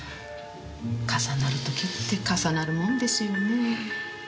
重なる時って重なるもんですよね。